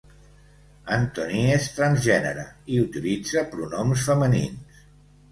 Antony és transgènere i utilitza pronoms femenins.